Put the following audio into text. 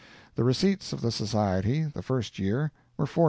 The receipts of the Society, the first year, were $4,000.